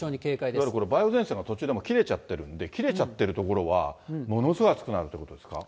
いわゆるこれ、梅雨前線が途中で切れちゃってるんで、切れちゃってる所は、ものすごい暑くなるということですか。